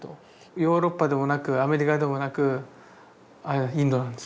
ヨーロッパでもなくアメリカでもなくインドに行こうと思った。